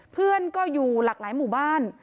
เพื่อนก็อยู่หลากหลายหมู่บ้าน